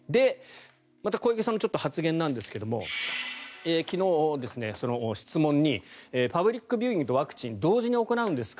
また、小池さんの発言なんですが昨日、質問にパブリックビューイングとワクチン、同時に行うんですか？